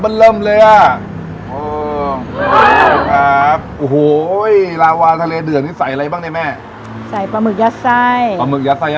อ่ะนอกจากเมนูนี้มีเมนูอะไรอีกแนะนำ